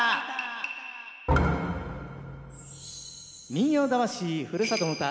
「民謡魂ふるさとの唄」。